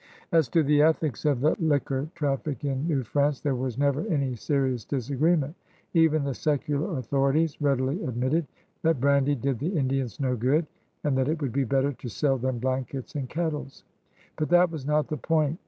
As to the ethics of the liquor traffic in New France, there was never any serious disagreement. Even the secular authorities readily admitted that brandy did the Indians no good, and that it would be better to sell them blankets and kettles. But that was not the point.